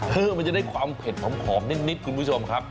มันจะได้ความเผ็ดหอมนิดคุณผู้ชมครับ